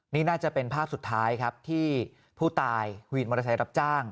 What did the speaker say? นี่น่าจะเป็นภาพสุดท้ายครับที่ผู้ตายวินมอเตอร์ไซค์รับจ้าง